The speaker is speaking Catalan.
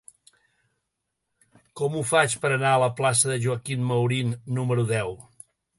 Com ho faig per anar a la plaça de Joaquín Maurín número deu?